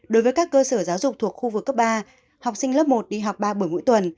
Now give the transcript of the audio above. đối với các cơ sở giáo dục thuộc khu vực cấp ba học sinh lớp một đi học ba buổi mỗi tuần